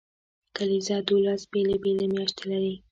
کلیزه دولس بیلې بیلې میاشتې لري.